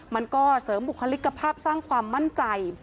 มันก็เสริมบุคลิกภาพสร้างความมั่นใจ